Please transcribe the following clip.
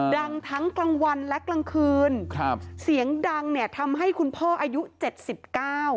ดังทั้งกลางวันและกลางคืนครับเสียงดังเนี่ยทำให้คุณพ่ออายุเจ็ดสิบเก้า